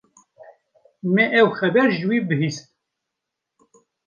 Me ev xeber ji wî bihîst.